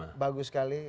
batiknya bagus sekali